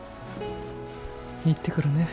行ってくるね。